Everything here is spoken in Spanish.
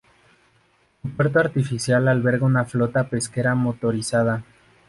Su puerto artificial alberga una flota pesquera motorizada.